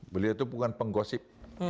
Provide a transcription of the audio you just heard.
beliau tuh bukan penggosip